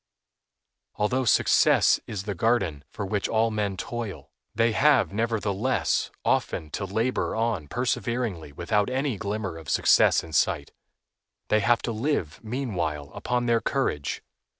Although success is the guerdon for which all men toil, they have, nevertheless, often to labor on perseveringly without any glimmer of success in sight. They have to live, meanwhile, upon their courage.